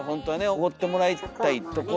おごってもらいたいところですけど。